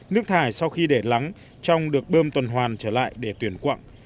nước thải sau khi để lắng trong được bơm tuần hoàn trở lại để tuyển quặng